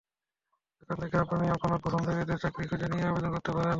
এখান থেকে আপনি আপনার পছন্দের পদের চাকরি খুঁজে নিয়ে আবেদন করতে পারেন।